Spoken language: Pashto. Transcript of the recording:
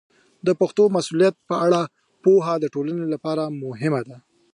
د پښتو د مسوولیت په اړه پوهه د ټولنې لپاره مهمه ده.